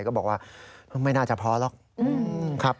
ก็บอกว่าไม่น่าจะพอหรอกครับ